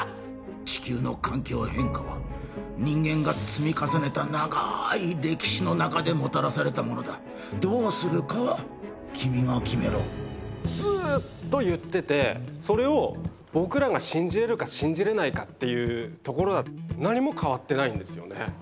地球の環境変化は人間が積み重ねた長い歴史の中でもたらされたものだどうするかは君が決めろずっと言っててそれをっていうところ何も変わってないんですよね